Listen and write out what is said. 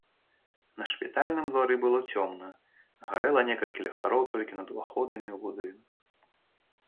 На шпітальным двары было цёмна, гарэла некалькі ліхтароў толькі над уваходамі ў будынак.